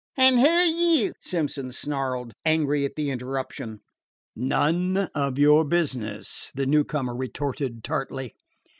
"An' who 're you?" Simpson snarled, angry at the interruption. "None of yer business," the newcomer retorted tartly.